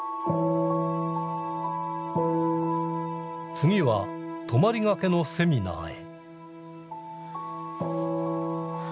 次は泊まりがけのセミナーへ。